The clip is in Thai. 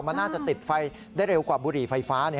มันน่าจะติดไฟได้เร็วกว่าบุหรี่ไฟฟ้า